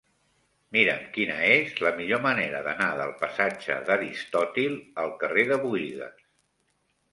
Mira'm quina és la millor manera d'anar del passatge d'Aristòtil al carrer de Buïgas.